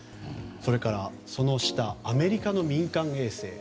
それから、アメリカの民間衛星。